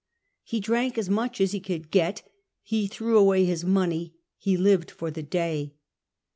He drank as much as he could get; he threw away his money ; ho lived for the day.